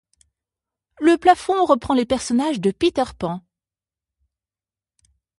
Le plafond reprend les personnages de Peter Pan.